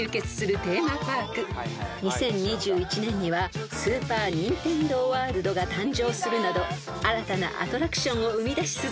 ［２０２１年にはスーパー・ニンテンドー・ワールドが誕生するなど新たなアトラクションを生み出し続けています］